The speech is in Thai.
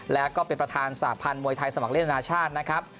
แล้วก็เป็นประธานสาพันธ์มวยไทยสมัครเล่นอนาชาตินะครับ